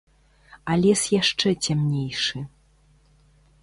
А лес яшчэ цямнейшы.